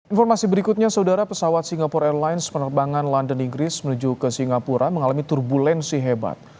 informasi berikutnya saudara pesawat singapore airlines penerbangan london inggris menuju ke singapura mengalami turbulensi hebat